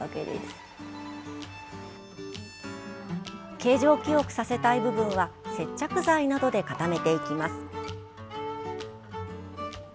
形状記憶させたい部分は接着剤などで固めていきます。